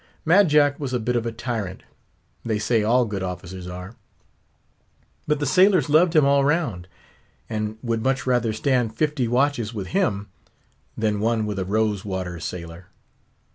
Mad Jack was a bit of a tyrant—they say all good officers are—but the sailors loved him all round; and would much rather stand fifty watches with him, than one with a rose water sailor.